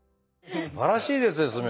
すばらしいですね。